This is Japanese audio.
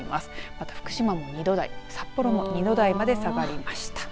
また福島２度台札幌も２度台まで下がりました。